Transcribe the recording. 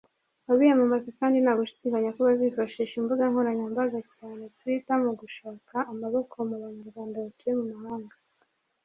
Abiyamamaza kandi nta gushidikanya ko bazifashisha imbuga nkoranyambaga cyane Twitter mu gushaka amaboko mu Banyarwanda batuye mu mahanga